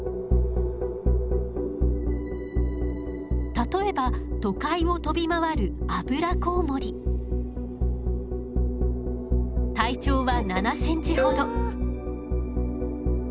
例えば都会を飛び回る体長は７ｃｍほど。